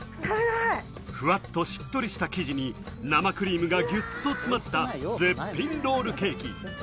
ふわっとしっとりした生地に生クリームがぎゅっと詰まった絶品ロールケーキ。